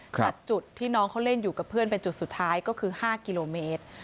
จากจุดที่น้องเขาเล่นอยู่กับเพื่อนเป็นจุดสุดท้ายก็คือ๕กิโลเมตร